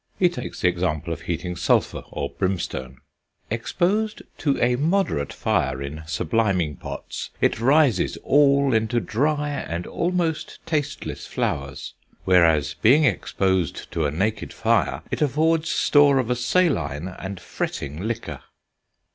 He takes the example of heating sulphur or brimstone: "Exposed to a moderate fire in subliming pots, it rises all into dry, and almost tasteless, flowers; whereas being exposed to a naked fire, it affords store of a saline and fretting liquor."